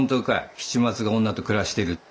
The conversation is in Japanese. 七松が女と暮らしてるって。